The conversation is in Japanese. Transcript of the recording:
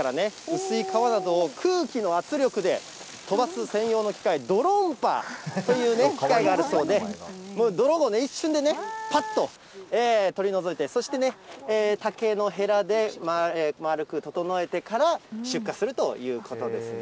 薄い皮などを空気の圧力で飛ばす専用の機械、泥ンパという機械があるそうで、泥を一瞬でぱっと取り除いて、そして、竹のへらで丸く整えてから出荷するということですね。